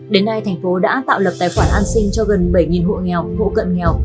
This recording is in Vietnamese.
đến nay thành phố đã tạo lập tài khoản an sinh cho gần bảy hộ nghèo hộ cận nghèo